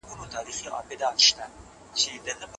ستونزي د حل په لټه کي دي.